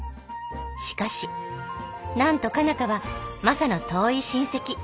しかしなんと佳奈花はマサの遠い親戚。